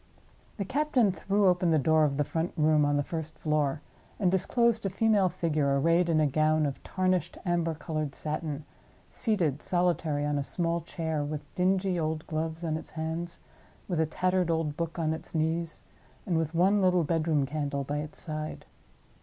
The captain threw open the door of the front room on the first floor, and disclosed a female figure, arrayed in a gown of tarnished amber colored satin, seated solitary on a small chair, with dingy old gloves on its hands, with a tattered old book on its knees, and with one little bedroom candle by its side.